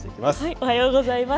おはようございます。